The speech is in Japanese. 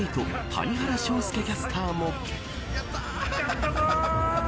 谷原章介キャスターも。